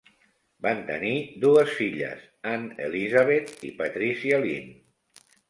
Van tenir dues filles, Anne Elizabeth i Patricia Lynn.